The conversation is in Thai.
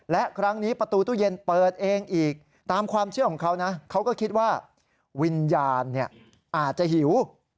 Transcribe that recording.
และครั้งนี้ประตูตู้เย็นเปิดเองอีกตามความเชื่อของเขานะเขาก็คิดว่าวิญญาณอาจจะหิว